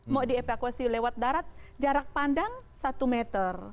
mau dievakuasi lewat darat jarak pandang satu meter